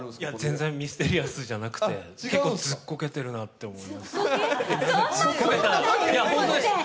全然ミステリアスじゃなくて結構、ずっこけてると思います。